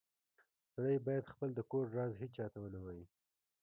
سړی باید خپل د کور راز هیچاته و نه وایې